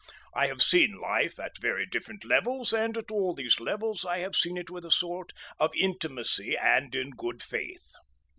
I have seen life at very different levels, and at all these levels I have seen it with a sort of intimacy and in good faith.